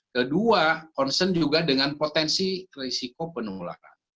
kedua concern juga dengan potensi risiko penularan